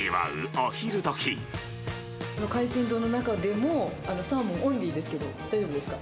海鮮丼の中でも、サーモンオンリーですけど、大丈夫ですか？